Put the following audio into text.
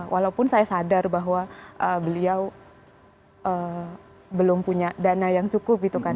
walaupun saya sadar bahwa beliau belum punya dana yang cukup gitu kan